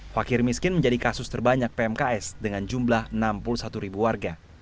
fakir miskin menjadi kasus terbanyak pmks dengan jumlah enam puluh satu ribu warga